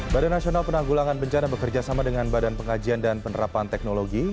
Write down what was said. badan nasional penanggulangan bencana bekerja sama dengan badan pengajian dan penerapan teknologi